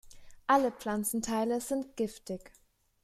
Alle Pflanzenteile sind giftig.